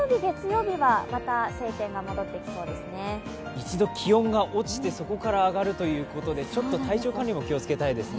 一度気温が落ちて、そこから上がるということでちょっと体調管理も気をつけたいですね。